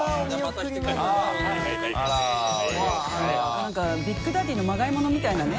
何かビッグダディのまがい物みたいなね。